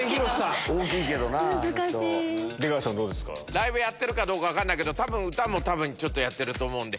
ライブやってるか分かんないけど多分歌もちょっとやってると思うんで。